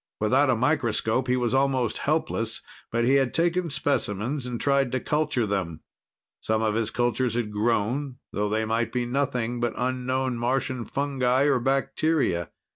Without a microscope, he was almost helpless, but he had taken specimens and tried to culture them. Some of his cultures had grown, though they might be nothing but unknown Martian fungi or bacteria.